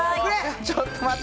ちょっと待って。